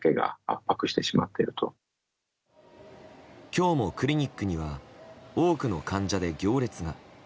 今日もクリニックには多くの患者で行列が。